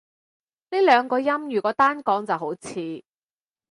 呢兩個音如果單講就好似